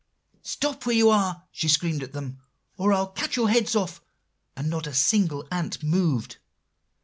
"'Stop where you are!' she screamed at them, 'or I'll cut your heads off!' and not a single ant moved."